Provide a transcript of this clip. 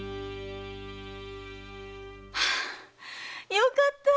よかった。